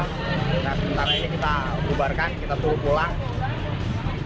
nah sebentar ini kita bubarkan kita tunggu pulang